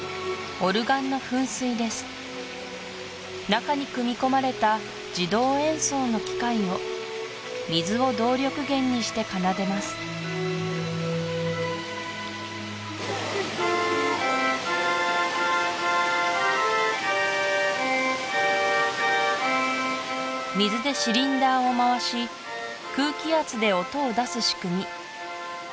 中に組み込まれた自動演奏の機械を水を動力源にして奏でます水でシリンダーを回し空気圧で音を出す仕組み